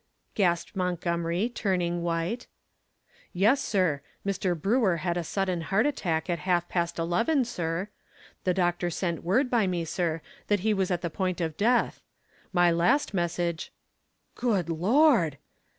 gasped Montgomery, turning white. "Yes, sir, Mr. Brewster had a sudden heart attack at half past eleven, sir. The doctor sent word by me, sir, that he was at the point of death. My last message " "Good Lord!"